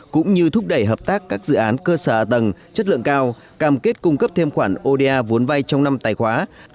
cũng như thúc đẩy hợp tác các dự án cơ sở hạ tầng chất lượng cao cam kết cung cấp thêm khoản oda vốn vay trong năm tài khoá